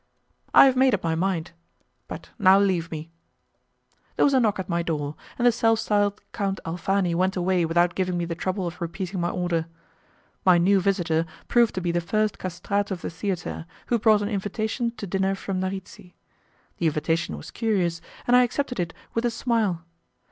"I have made up my mind; but now leave me." There was a knock at my door, and the self styled Count Alfani went away without giving me the trouble of repeating my order. My new visitor proved to be the first castrato of the theatre, who brought an invitation to dinner from Narici. The invitation was curious, and I accepted it with a smile.